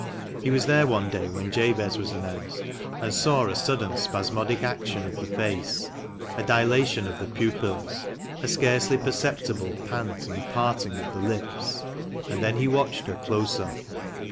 He was there one day when Jabez was announced, and saw a sudden spasmodic action of the face, a dilation of the pupils, a scarcely perceptible pant and parting of the lips, and then he watched her closer.